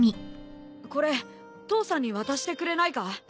これ父さんに渡してくれないか？